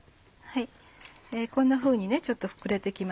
こんなふうにちょっと膨れて来ます。